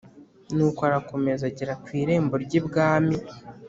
nuko arakomeza agera ku irembo ry’ibwami,